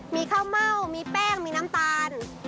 มีข้าวเม่ามีแป้งมีน้ำตาล